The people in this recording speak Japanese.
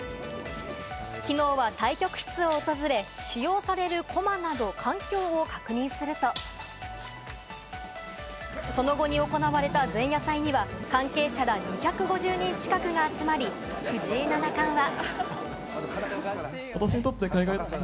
きのうは対局室を訪れ、使用される駒など環境を確認すると、その後に行われた前夜祭には関係者ら２５０人近くが集まり、藤井七冠は。